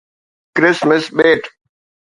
Christmas ٻيٽ